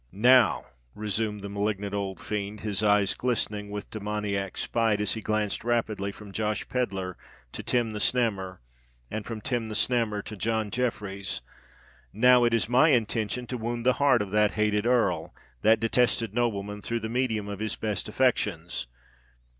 "Now," resumed the malignant old fiend, his eyes glistening with demoniac spite, as he glanced rapidly from Josh Pedler to Tim the Snammer, and from Tim the Snammer to John Jeffreys,—"now, it is my intention to wound the heart of that hated Earl—that detested nobleman, through the medium of his best affections!